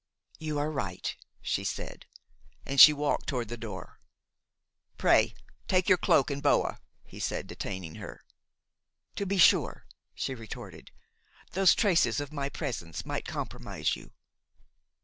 "You are right," she said. And she walked toward the door. "Pray take your cloak and boa," he said, detaining her. "To be sure," she retorted, "those traces of my presence might compromise you."